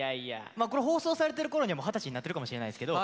まあこれ放送されてるころにはもう二十歳になってるかもしれないですけど。